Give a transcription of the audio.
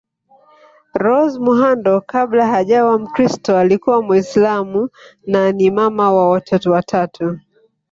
Rose Muhando kabla hajawa mkristo alikuwa Muislam na ni mama wa watoto watatu